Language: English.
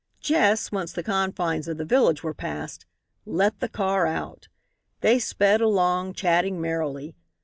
Jess, once the confines of the village were past, "let the car out." They sped along, chatting merrily.